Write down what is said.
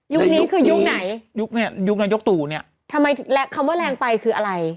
ยุคนี้คือยุคนี้ยุคตู่เนี่ยและคำว่าแรงไปคืออะไร